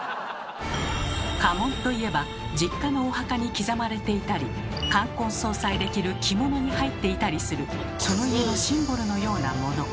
家紋といえば実家のお墓に刻まれていたり冠婚葬祭で着る着物に入っていたりするその家のシンボルのようなもの。